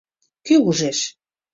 — Кӧ ӱжеш?